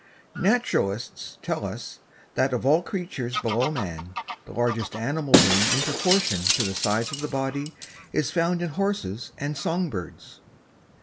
Naturalists tell us that of all creatures below man, the largest animal brain in proportion to the size of the body is found in horses and song birds.